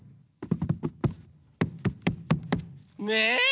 ねえ！